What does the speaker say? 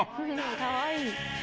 かわいい。